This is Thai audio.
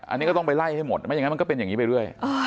อันนี้ก็ต้องไปไล่ให้หมดไม่อย่างนั้นมันก็เป็นอย่างนี้ไปเรื่อย